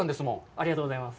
ありがとうございます。